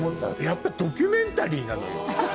やっぱドキュメンタリーなのよ。